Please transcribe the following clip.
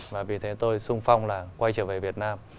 và vì thế tôi sung phong là quay trở về việt nam